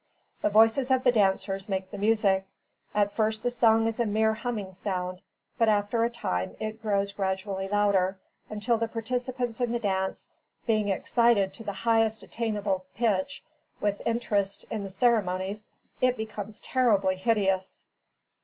The voices of the dancers make the music. At first the song is a mere humming sound, but after a time, it grows gradually louder, until the participants in the dance, being excited to the highest attainable pitch with interest in the ceremonies, it becomes terribly hideous.